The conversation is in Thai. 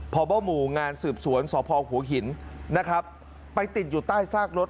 พบหมู่งานสืบสวนสพหัวหินนะครับไปติดอยู่ใต้ซากรถ